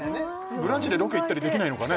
「ブランチ」でロケ行ったりできないのかね？